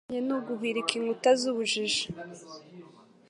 kunguka ubwenge nu guhirika inkuta z'ubujiji.